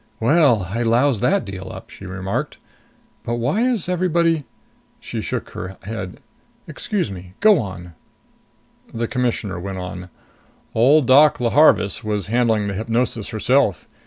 "Well, I loused that deal up!" she remarked. "But why is everybody " She shook her head. "Excuse me. Go on." The Commissioner went on. "Old Doc Leeharvis was handling the hypnosis herself.